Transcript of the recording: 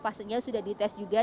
pastinya sudah dites juga